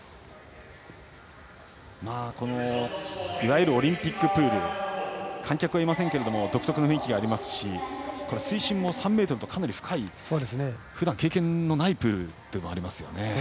いわゆるオリンピックプール観客はいませんが独特の雰囲気がありますし水深も３ｍとかなり深いふだん経験のないプールでもありますよね。